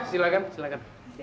tandia pak ya